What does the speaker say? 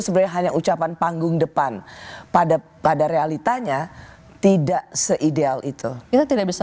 sebenarnya hanya ucapan panggung depan pada pada realitanya tidak se ideal itu itu tidak bisa